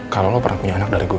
kalau lo pernah punya anak dari gue